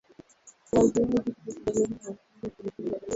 Waziwazi kutokukubalina na uongozi wa kiuonevu wa Rais Ramon Grau